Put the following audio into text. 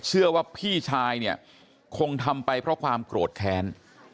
เชื่อว่าพี่ชายเนี่ยคงทำไปเพราะความโกรธแค้น